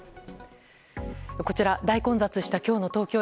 こちら大混雑した今日の東京駅。